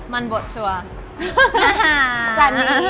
มันบทชัวร์